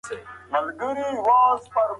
فارابي ټولنه د یوه ژوندي موجود سره پرتله کوي.